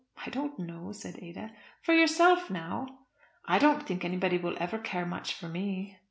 "I don't know," said Ada. "For yourself, now?" "I don't think anybody will ever care much for me."